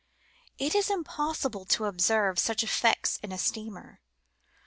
It is impossible to observe such effects in a steamer.